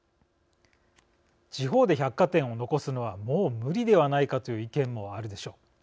地方で百貨店を残すのはもう無理ではないかという意見もあるでしょう。